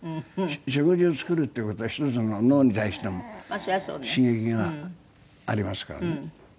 食事を作るっていう事は１つの脳に対しても刺激がありますからね。